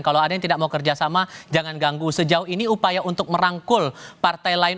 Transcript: kalau ada yang tidak mau kerjasama jangan ganggu sejauh ini upaya untuk merangkul partai lain